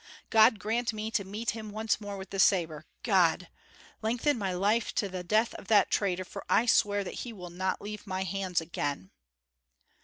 God grant me to meet him once more with the sabre God! lengthen my life to the death of that traitor, for I swear that he will not leave my hands again."